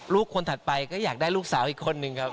ลูกคนถัดไปก็อยากได้ลูกสาวอีกคนนึงครับ